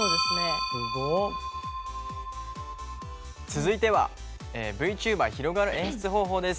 続いては「ＶＴｕｂｅｒ広がる演出方法」。